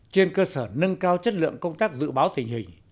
trên cơ sở nâng cao chất lượng công tác dự báo tình hình